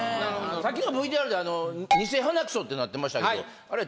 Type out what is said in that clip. さっきのＶＴＲでニセ鼻クソってなってましたけどあれ。